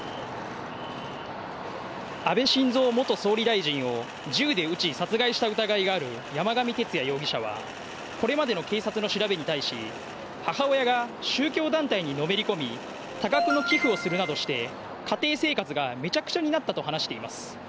安倍晋三元総理大臣を銃で撃ち、殺害した疑いがある山上徹也容疑者はこれまでの警察の調べに対し、母親が宗教団体にのめり込み、多額の寄付をするなどして、家庭生活がめちゃくちゃになったと話しています。